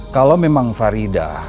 kalau memang farida